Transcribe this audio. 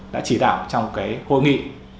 đã chỉ đạo trong cái hội nghị